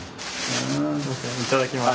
いただきます。